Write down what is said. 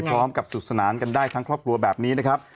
พร้อมกับสุขสนานกันได้ทั้งครอบครัวแบบนี้นะครับ